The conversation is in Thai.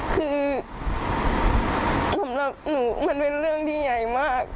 คือสำหรับหนูมันเป็นเรื่องที่ใหญ่มาก